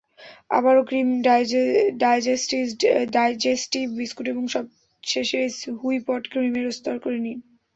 আবারও cream, digestive biscuit এবং সবশেষে হুইপড ক্রিমের স্তর করে নিন।